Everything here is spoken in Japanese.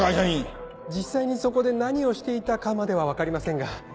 実際にそこで何をしていたかまでは分かりませんが。